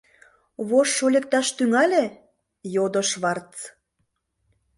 — Вожшо лекташ тӱҥале? — йодо Шварц.